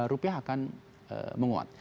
rupiah akan menguat